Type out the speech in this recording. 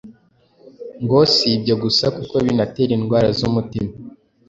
ngo si ibyo gusa kuko binatera indwara z’umutima.